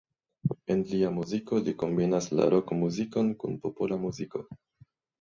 En lia muziko li kombinas la rok-muzikon kun popola muziko.